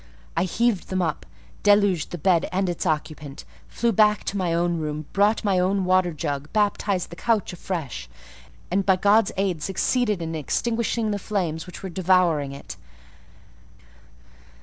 I heaved them up, deluged the bed and its occupant, flew back to my own room, brought my own water jug, baptized the couch afresh, and, by God's aid, succeeded in extinguishing the flames which were devouring it.